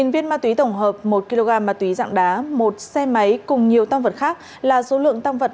một mươi viên ma túy tổng hợp một kg ma túy dạng đá một xe máy cùng nhiều tam vật khác là số lượng tăng vật